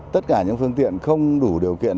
tất cả những phương tiện không đủ điều kiện